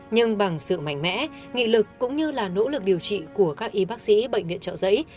nhưng bằng sự mạnh mẽ nghị lực cũng như là nỗ lực điều trị của các y bác sĩ bệnh viện trợ giấy